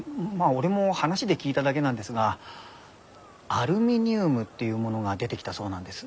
俺も話で聞いただけなんですがアルミニウムっていうものが出てきたそうなんです。